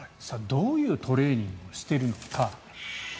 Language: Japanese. どういうトレーニングをしているのか。